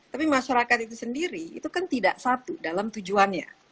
tapi masyarakat itu sendiri itu kan tidak satu dalam tujuannya